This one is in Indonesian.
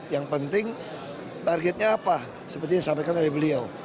yang penting targetnya apa seperti yang disampaikan oleh beliau